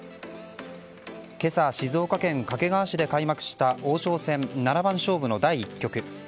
今朝、静岡県掛川市で開幕した王将戦七番勝負の第１局。